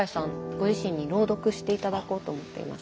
ご自身に朗読して頂こうと思っています。